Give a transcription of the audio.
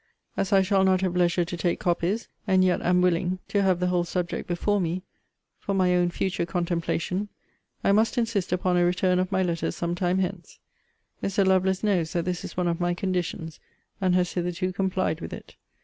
As I shall not have leisure to take copies, and yet am willing to have the whole subject before me, for my own future contemplation, I must insist upon a return of my letters some time hence. Mr. Lovelace knows that this is one of my conditions; and has hitherto complied with it.